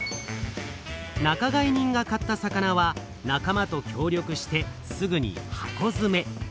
仲買人が買った魚は仲間と協力してすぐに箱づめ。